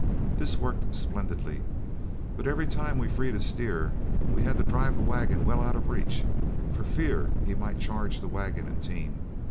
This worked splendidly, but every time we freed a steer we had to drive the wagon well out of reach, for fear he might charge the wagon and team.